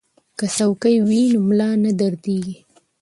که څوکۍ وي نو ملا نه دردیږي.